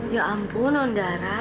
ya ampun nondara